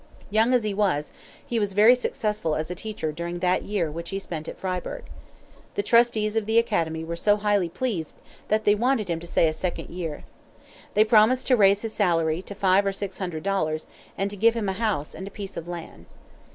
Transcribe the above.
Young as he was, he was very successful as a teacher during that year which he spent at Fryeburg. The trustees of the academy were so highly pleased that they wanted him to stay a second year. They promised to raise his salary to five or six hundred dollars, and to give him a house and a piece of land.